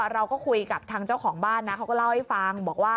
เราก็คุยกับท่างเจ้าของบ้านก็เล่าให้ฟัง